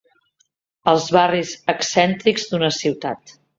Els barris excèntrics d'una ciutat.